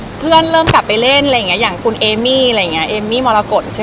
ก็เห็นเพื่อนเริ่มกลับไปเล่นอย่างคุณเอมี่มรกล